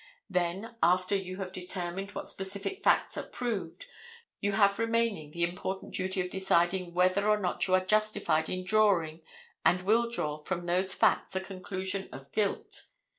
Then, after you have determined what specific facts are proved, you have remaining the important duty of deciding whether or not you are justified in drawing, and will draw, from those facts the conclusion of guilt.